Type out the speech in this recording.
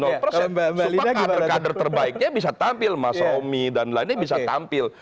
supaya kader kader terbaiknya bisa tampil mas omi dan lainnya bisa tampil